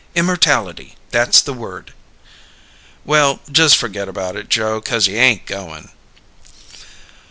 Immortality! That's the word!" "Well, just forget about it, Joe, 'cause you ain't going."